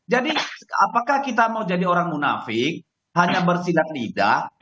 jadi apakah kita mau jadi orang munafik hanya bersihkan lidah